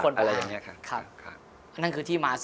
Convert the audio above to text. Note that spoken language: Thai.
อะไรอย่างเนี้ยค่ะ